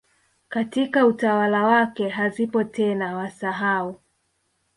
katika utawala wake hazipo tena Wasahau